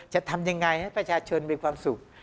จะทำยังไงให้ประชาชนมีความสุข